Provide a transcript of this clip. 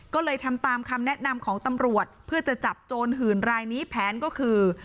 ก็เลยทำตามคำแนะนำของตำรวจเพื่อจะจับโจรหื่นรายนี้แผนก็คือ